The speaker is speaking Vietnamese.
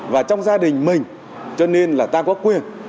và trong gia đình mình cho nên là ta có quyền